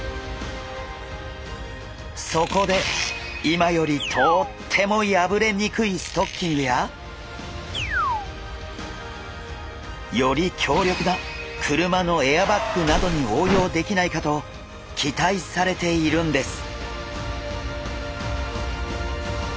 そこで今よりとっても破れにくいストッキングやより強力な車のエアバッグなどに応用できないかと期待されているんです。